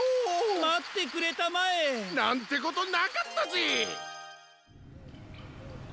まってくれたまえ！なんてことなかったぜ！